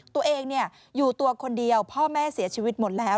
ตัวเองอยู่ตัวคนเดียวพ่อแม่เสียชีวิตหมดแล้ว